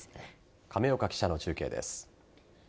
亀岡記者の中継です。